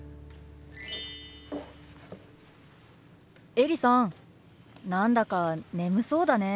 エリさん何だか眠そうだね。